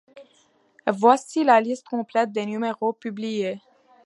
Voici la liste complète des numéros publiés.